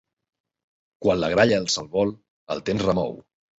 Quan la gralla alça el vol, el temps remou.